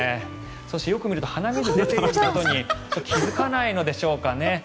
そしてよく見ると鼻水を垂らしていることに気付かないのでしょうかね。